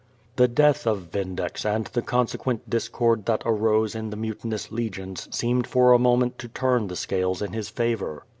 The death of Vindex and the consequent discord that arose in the mutinous legions seemed for a moment to turn the scales in his favor.